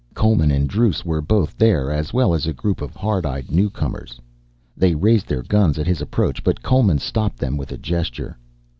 Coleman and Druce were both there as well as a group of hard eyed newcomers. They raised their guns at his approach but Coleman stopped them with a gesture.